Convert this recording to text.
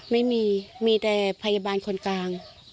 ไม่มีมีแต่พยาบาลคนกลาง